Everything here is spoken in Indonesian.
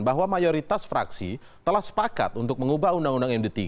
bahwa mayoritas fraksi telah sepakat untuk mengubah undang undang md tiga